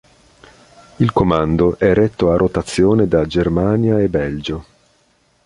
Il comando è retto a rotazione da Germania e Belgio.